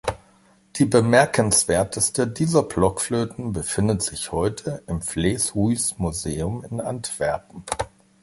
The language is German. Die bemerkenswerteste dieser Blockflöten befindet sich heute im Vleeshuis-Museum in Antwerpen.